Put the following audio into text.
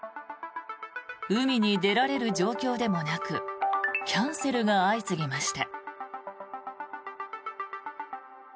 海に出られる状況でもなくキャンセルが相次ぎました。